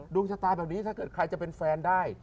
ดวงชะตาแบบนี้ถ้าเกิดใครจะเป็นแฟนได้